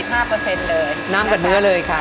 น้ำแบบเนื้อเลยค่ะ